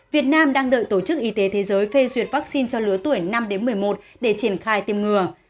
việt nam đang đợi tổ chức y tế thế giới phê duyệt vaccine cho lứa tuổi năm một mươi một để triển khai tiêm ngừa